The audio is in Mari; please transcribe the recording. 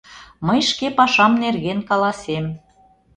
Мый шке пашам нерген каласем.